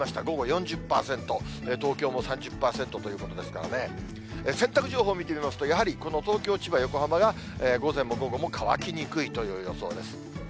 午後４０％、東京も３０％ということですからね、洗濯情報見てみますと、やはりこの東京、千葉、横浜が午前も午後も乾きにくいという予想です。